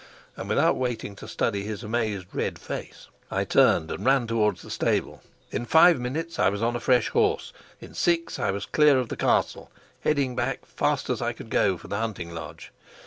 And without waiting to study his amazed red face, I turned and ran towards the stable. In five minutes I was on a fresh horse, in six I was clear of the castle, heading back fast as I could go for the hunting lodge.